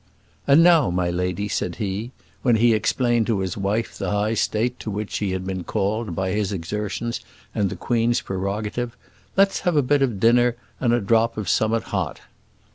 "And now, my lady," said he, when he explained to his wife the high state to which she had been called by his exertions and the Queen's prerogative, "let's have a bit of dinner, and a drop of som'at hot."